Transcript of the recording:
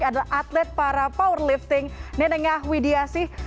adalah atlet para powerlifting nenengah widiasih